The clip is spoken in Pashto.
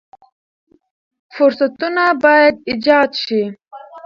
فرصتونه باید ایجاد شي.